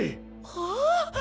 はあ！？